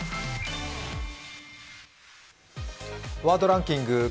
「ワードランキング」